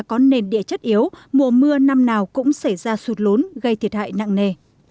có nền địa chất yếu mùa mưa năm nào cũng xảy ra sụt lốn gây thiệt hại nặng nề